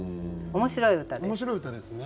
面白い歌ですね。